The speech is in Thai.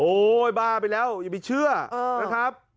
บ้าไปแล้วอย่าไปเชื่อนะครับ